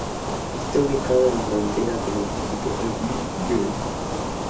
Está ubicado en la frontera con el distrito de Emmendingen.